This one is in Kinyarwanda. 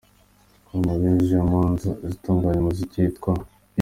com, abinyujije mu nzu ye itunganya muzika yitwa I.